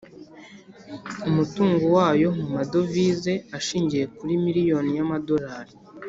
umutungo wayo mu madovize ushingiye kuri miliyoni ya madorali